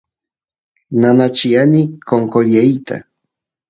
nanachiani qonqoriyta